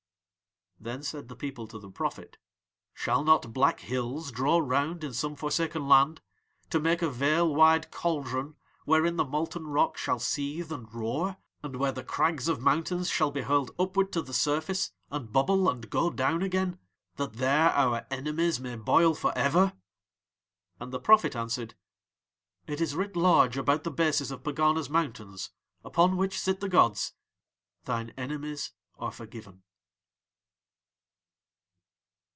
"'" Then said the people to the prophet: "Shall not black hills draw round in some forsaken land, to make a vale wide cauldron wherein the molten rock shall seethe and roar, and where the crags of mountains shall be hurled upward to the surface and bubble and go down again, that there our enemies may boil for ever?" And the prophet answered: "It is writ large about the bases of Pegana's mountains, upon which sit the gods: 'Thine Enemies Are Forgiven."'